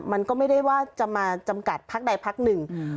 มันก็ไม่ได้ว่าจะมาจำกัดพักใดพักหนึ่ง